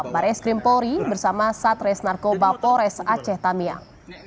marek skrimpori bersama satres narkoba pores aceh tamiang